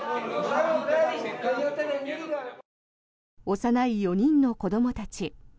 幼い４人の子どもたち。